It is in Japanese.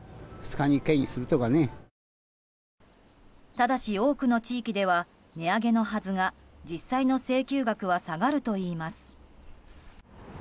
ただし、多くの地域では値上げのはずが実際の請求額は下がるといいます。